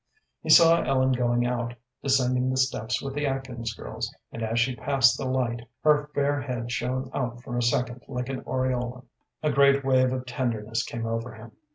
He saw Ellen going out, descending the steps with the Atkins girls, and as she passed the light, her fair head shone out for a second like an aureole. A great wave of tenderness came over him.